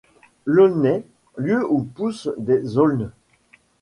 L'aulnaie, Lieu où poussent des aulnes.